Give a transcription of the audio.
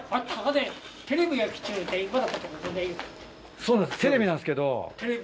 そうなんですテレビなんですけど。